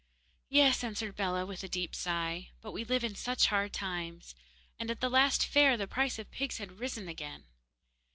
'Yes,' answered Bellah, with a deep sigh; 'but we live in such hard times, and at the last fair the price of pigs had risen again.